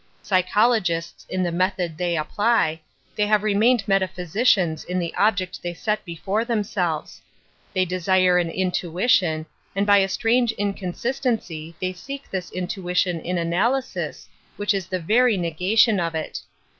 Psy chologists in the method they apply, they have remained metaphysicians in the object they set before themselves. They desire an intuition, and by a strange inconsistency ) they seek this intuition in analysis, which/ is the very negation of it.